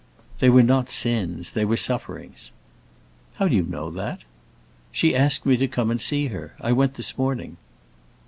"They were not sins; they were sufferings." "How do you know that?" "She asked me to come and see her; I went this morning."